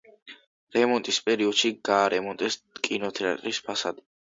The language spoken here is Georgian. რემონტის პერიოდში გაარემონტეს კინოთეატრის ფასადი.